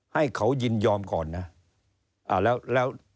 ให้เขายินยอมก่อนนะ